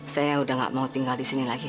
saya sudah tidak mau tinggal disini lagi